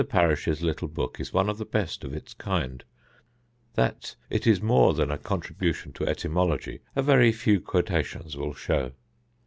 Parish's little book is one of the best of its kind; that it is more than a contribution to etymology a very few quotations will show.